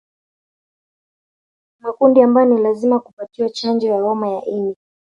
Makundi ambayo ni lazima kupatiwa chanjo ya homa ya ini